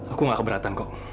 aku nggak keberatan kok